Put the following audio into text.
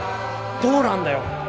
どうなんだよ。